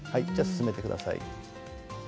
じゃあ進めてください。